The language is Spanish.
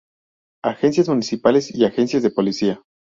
Agencias Municipales y Agencias de Policía.